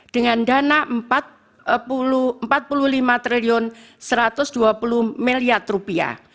dengan dana rp empat puluh lima satu ratus dua puluh